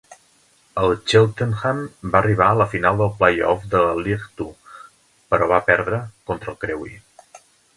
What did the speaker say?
El Cheltenham va arribar a la final del play-off de la League Two, però va perdre contra el Crewe.